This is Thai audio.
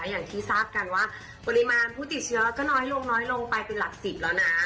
อย่างที่ทราบกันว่าปริมาณผู้ติดเชื้อก็น้อยลงน้อยลงไปเป็นหลัก๑๐แล้วนะ